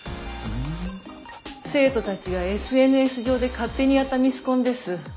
生徒たちがＳＮＳ上で勝手にやったミスコンです。